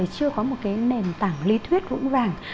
chưa có một cái nền tảng lý thuyết vũng vàng